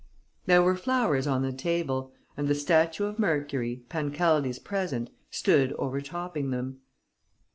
There were flowers on the table; and the statue of Mercury, Pancaldi's present, stood overtopping them.